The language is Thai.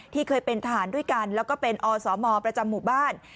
เคยเป็นทหารด้วยกันแล้วก็เป็นอสมประจำหมู่บ้าน